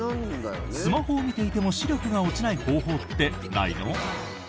スマホを見ていても視力が落ちない方法ってないの？